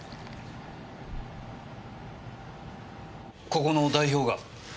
ここの代表が？